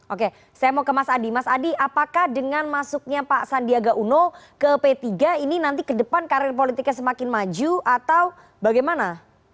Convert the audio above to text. oke saya mau ke mas adi mas adi apakah dengan masuknya pak sandiaga uno ke p tiga ini nanti ke depan karir politiknya semakin maju atau bagaimana